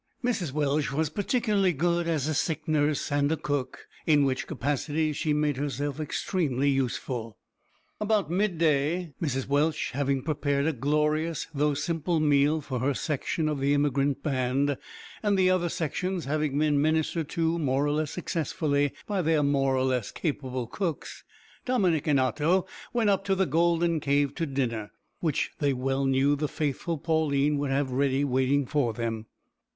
Mrs Welsh was particularly good as a sick nurse and a cook, in which capacities she made herself extremely useful. About midday, Mrs Welsh having prepared a glorious though simple meal for her section of the emigrant band, and the other sections having been ministered to more or less successfully by their more or less capable cooks, Dominick and Otto went up to the golden cave to dinner, which they well knew the faithful Pauline would have ready waiting for them.